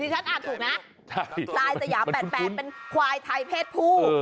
ฉันอ่านถูกนะควายสยาม๘๘เป็นควายไทยเพศผู้